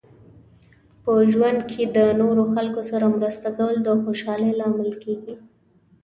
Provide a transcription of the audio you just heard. په ژوند کې د نورو خلکو سره مرسته کول د خوشحالۍ لامل کیږي.